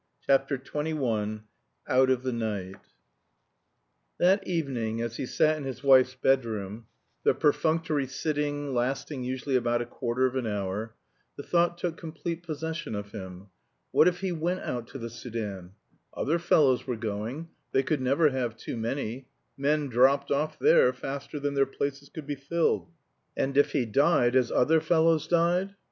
CHAPTER XXI OUT OF THE NIGHT That evening as he sat in his wife's bedroom the perfunctory sitting, lasting usually about a quarter of an hour the thought took complete possession of him. What if he went out to the Soudan? Other fellows were going; they could never have too many. Men dropped off there faster than their places could be filled. And if he died, as other fellows died?